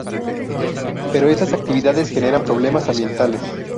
Pero estas actividades generan problemas ambientales.